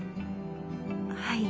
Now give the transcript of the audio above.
はい。